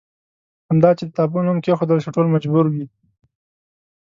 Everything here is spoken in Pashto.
همدا چې د تابو نوم کېښودل شو ټول مجبور وي.